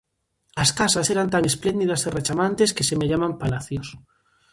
As casas eran tan espléndidas e rechamantes que semellaban palacios.